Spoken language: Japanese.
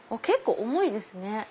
結構重いですね。